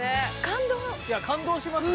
いや感動しますね